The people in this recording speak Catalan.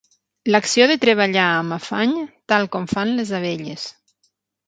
L'acció de treballar amb afany tal com fan les abelles.